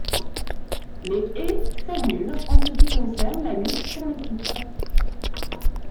Les et s'annulent en ce qui concerne la lutte pour le titre.